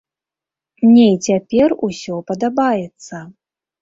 Мне і цяпер усё падабаецца.